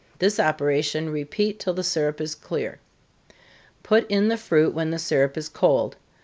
This operation repeat till the syrup is clear put in the fruit when the syrup is cold.